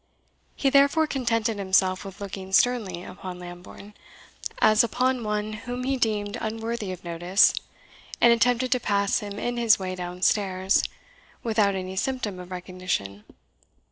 He therefore contented himself with looking sternly upon Lambourne, as upon one whom he deemed unworthy of notice, and attempted to pass him in his way downstairs, without any symptom of recognition.